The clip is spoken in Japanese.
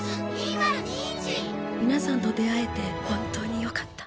皆さんと出会えて本当に良かった。